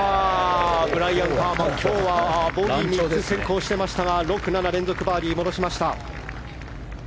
ブライアン・ハーマン、今日はボギー３つ先行していましたが６、７連続バーディーで戻しました。